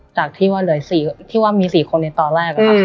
จากที่ว่ามี๔คนในตอนแรก